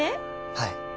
はい。